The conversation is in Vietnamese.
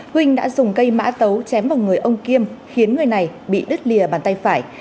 huynh đã dùng cây mã tấu chém vào người ông kiêm khiến người này bị đứt lìa bàn tay phải